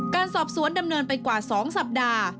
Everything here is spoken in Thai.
การสอบสวนดำเนินไปกว่า๒สัปดาห์